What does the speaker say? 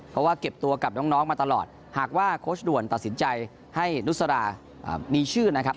เพราะว่าเก็บตัวกับน้องมาตลอดหากว่าโค้ชด่วนตัดสินใจให้นุษรามีชื่อนะครับ